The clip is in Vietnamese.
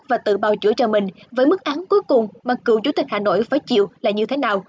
và tự bào chữa cho mình với mức án cuối cùng mà cựu chủ tịch hà nội phải chịu là như thế nào